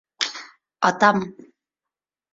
Атам!